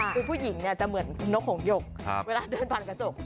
คือผู้หญิงเนี่ยจะเหมือนนกหงหยกเวลาเดินผ่านกระจก